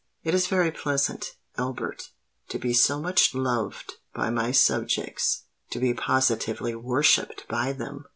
It is very pleasant, Albert, to be so much loved by my subjects—to be positively worshipped by them."